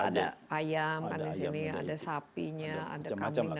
kita ada ayam kan di sini ada sapinya ada kambing dan lain sebagainya